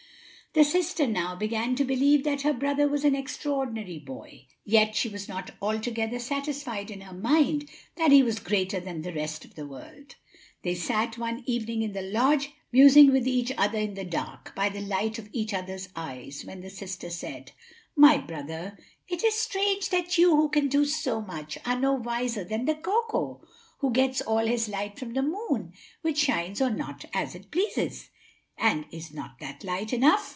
The sister now began to believe that her brother was an extraordinary boy; yet she was not altogether satisfied in her mind that he was greater than the rest of the world. They sat one evening in the lodge, musing with each other in the dark, by the light of each other's eyes, when the sister said: "My brother, it is strange that you, who can do so much, are no wiser than the Ko ko, who gets all his light from the moon; which shines or not, as it pleases." "And is not that light enough?"